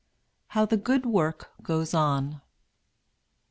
HOW THE GOOD WORK GOES ON.